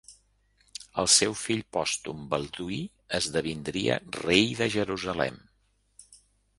El seu fill pòstum Balduí esdevindria rei de Jerusalem.